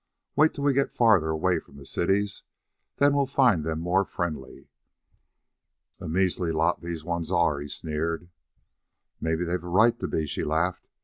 Wait till we get farther away from the cities, then we'll find them more friendly." "A measly lot these ones are," he sneered. "Maybe they've a right to be," she laughed.